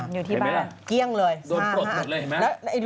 เห็นไหมล่ะเห็นไหมล่ะโดนปวดเลยเห็นไหมล่ะ